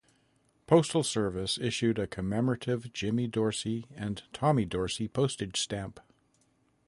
Postal Service issued a commemorative Jimmy Dorsey and Tommy Dorsey postage stamp.